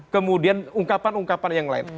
kemudian ungkapan ungkapan yang lain